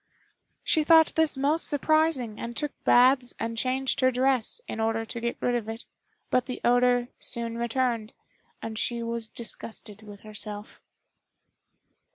She thought this most surprising, and took baths and changed her dress, in order to get rid of it; but the odor soon returned, and she was disgusted with herself.